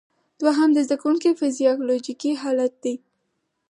دوهم د زده کوونکي فزیالوجیکي حالت دی.